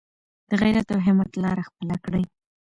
د غیرت او همت لاره خپله کړئ.